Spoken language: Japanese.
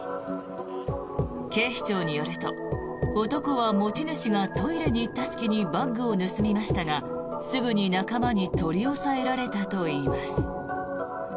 警視庁によると男は持ち主がトイレに行った隙にバッグを盗みましたがすぐに仲間に取り押さえられたといいます。